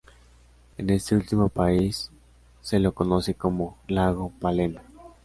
En este último país se lo conoce como Lago Palena.